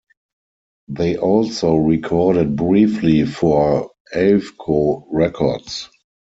They also recorded briefly for Avco Records.